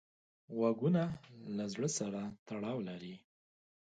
غوږونه له زړه سره تړاو لري